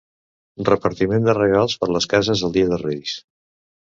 Repartiment de regals per les cases el dia de Reis.